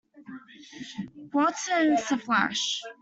Quartz and Sflash.